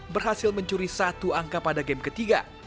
berhasil mencuri satu angka pada game ketiga